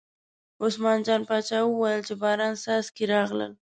عثمان جان باچا وویل چې د باران څاڅکي راغلل.